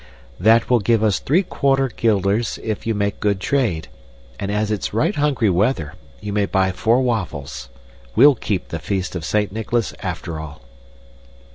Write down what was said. } That will give us three quarter guilders if you make good trade; and as it's right hungry weather, you may buy four waffles. We'll keep the Feast of Saint Nicholas after all."